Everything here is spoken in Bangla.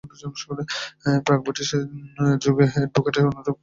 প্রাক-ব্রিটিশ যুগে অ্যাডভোকেটের অনুরূপ পেশার লোক ছিলেন ‘ওয়াকিল’।